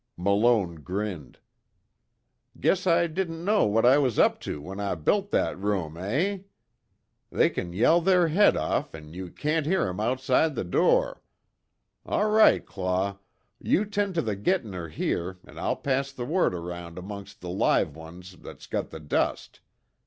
Malone grinned: "Guess I didn't know what I was up to when I built that room, eh? They kin yell their head off an' you can't hear 'em outside the door. All right, Claw, you tend to the gittin' her here an' I'll pass the word around amongst the live ones that's got the dust.